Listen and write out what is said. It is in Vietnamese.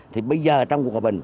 thì bây giờ trong hòa bình